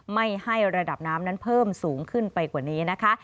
ไม่ให้ระดับน้ำนั้นเพิ่มสูงขึ้นไปกว่านี้นะคะ